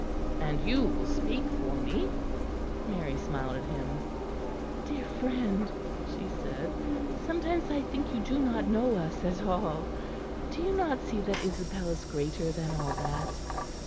"And you will speak for me." Mary smiled at him. "Dear friend," she said, "sometimes I think you do not know us at all. Do you not see that Isabel is greater than all that?